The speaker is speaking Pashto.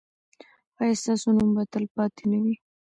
ایا ستاسو نوم به تلپاتې نه وي؟